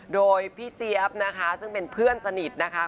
โดยพี่เจี๊ยบนะคะซึ่งเป็นเพื่อนสนิทนะคะ